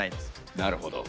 なるほど。